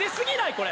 これ。